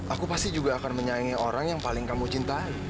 aku pasti juga akan menyayangi orang yang paling kamu cintai